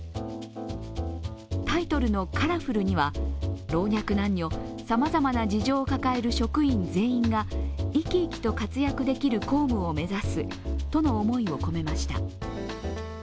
タイトルの「カラフル」には老若男女さまざまな事情を抱える職員全員が生き生きと活躍できる公務を目指すとの思いを込めました。